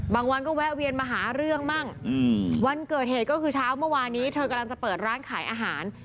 บางวันก็แวะเวียนมาหาเรื่องมั่งวันเกิดเหตุก็คือเช้าเมื่อวานนี้เธอกำลังจะเปิดร้านขายอาหาร